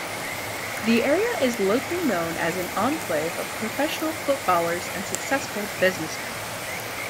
The area is locally known as an enclave of professional footballers and successful businessmen.